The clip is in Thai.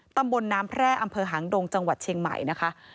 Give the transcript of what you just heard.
ตำบลน้ำแพร่อำเภอหางดงจังหวัดเชียงใหม่นะคะ